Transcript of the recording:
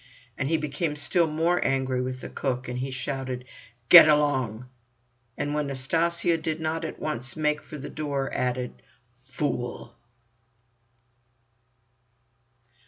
And he became still more angry with the cook, and shouted: "Get along!" and when Nastasya did not at once make for the door, added "Fool!"